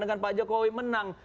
dengan pak jokowi menang